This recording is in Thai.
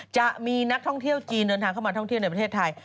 จะมีนักท่องเที่ยวจีนเดินทางเข้ามาท่องเที่ยวในประเทศไทย